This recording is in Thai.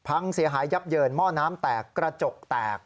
พังเสียหายยับเยินหม้อน้ำแตกกระจกแตก